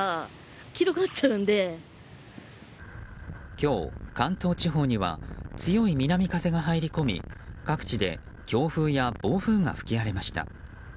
今日、関東地方には強い南風が入り込み各地で強風や暴風が吹き荒れました。